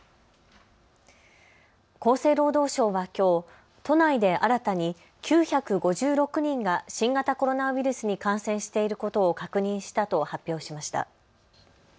厚生労働省はきょう都内で新たに９５６人が新型コロナウイルスに感染していることを確認したと発表しました。